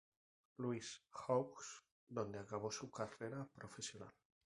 Louis Hawks, donde acabó su carrera profesional.